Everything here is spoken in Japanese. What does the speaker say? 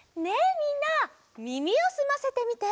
みんなみみをすませてみて。